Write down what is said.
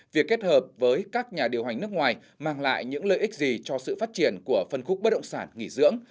việc kết hợp với các nhà điều hành nước ngoài mang lại những lợi ích gì cho sự phát triển của phân khúc bất động sản nghỉ dưỡng